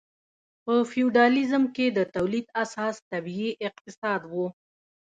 په فیوډالیزم کې د تولید اساس طبیعي اقتصاد و.